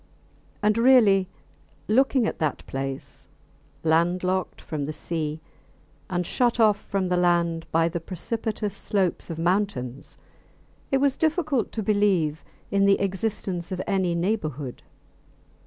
And really, looking at that place, landlocked from the sea and shut off from the land by the precipitous slopes of mountains, it was difficult to believe in the existence of any neighbourhood.